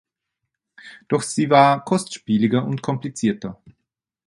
Doch sie war kostspieliger und komplizierter.